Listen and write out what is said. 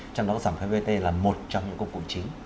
trong đó giảm thuế vat là một trong những công cụ chính